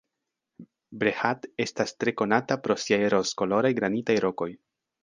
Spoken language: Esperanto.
Brehat estas tre konata pro siaj rozkoloraj granitaj rokoj.